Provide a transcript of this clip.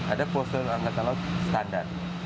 ada postur angkatan laut standar